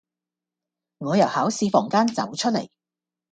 我由考試房間走出嚟